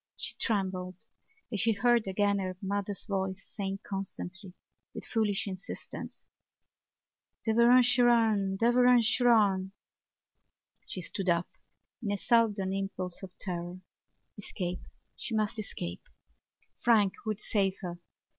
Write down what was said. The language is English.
She trembled as she heard again her mother's voice saying constantly with foolish insistence: "Derevaun Seraun! Derevaun Seraun!" She stood up in a sudden impulse of terror. Escape! She must escape! Frank would save her.